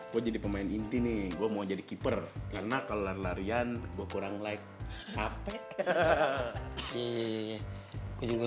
gue jadi pemain inti nih gua mau jadi keeper karena kalau larian gua kurang like capek